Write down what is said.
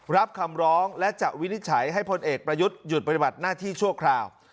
รับคำร้องและจะวินิจฉัยให้พลเอกประยุทธ์หยุดปฏิบัติหน้าที่ชั่วคราว